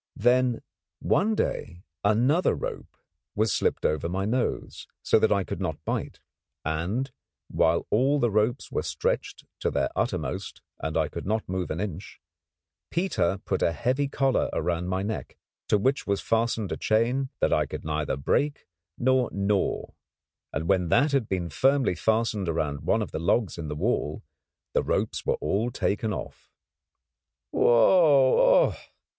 Then one day another rope was slipped over my nose, so that I could not bite, and, while all the ropes were stretched to their uttermost and I could not move an inch, Peter put a heavy collar round my neck, to which was fastened a chain that I could neither break nor gnaw. And when that had been firmly fastened round one of the logs in the wall, the ropes were all taken off. Wow ugh!